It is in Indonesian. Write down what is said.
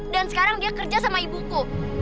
dan sekarang dia kerja sama ibuku